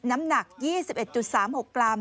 น้ำหนัก๒๑๓๖กรัม